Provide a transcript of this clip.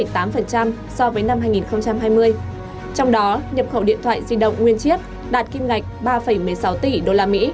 trong đó nhập khẩu điện thoại di động nguyên chiếc đạt kim ngạch ba một mươi sáu tỷ usd